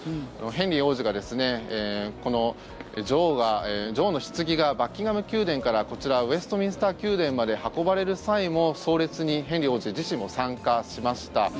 ヘンリー王子が、女王のひつぎがバッキンガム宮殿からこちらウェストミンスター宮殿まで運ばれる際も葬列にヘンリー王子自身も参加しました。